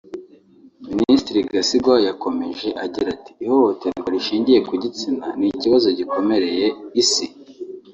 Minisitiri Gasinzigwa yakomeje agira ati “Ihohoterwa rishingiye ku gitsina ni ikibazo gikomereye Isi